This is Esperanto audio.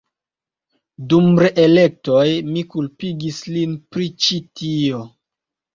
Dum reelektoj mi kulpigis lin pri ĉi tio.